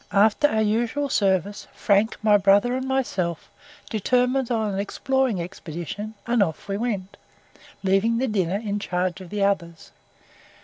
After our usual service Frank, my brother, and myself, determined on an exploring expedition, and off we went, leaving the dinner in the charge of the others.